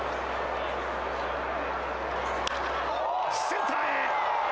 センターへ！